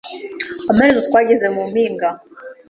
Amaherezo, twageze mu mpinga.